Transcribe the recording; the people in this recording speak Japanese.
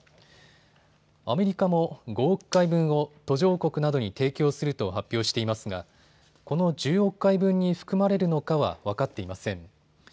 アメリカも５億回分を途上国などに提供すると発表していますがこの１０億回分に含まれるのかは分かっていません。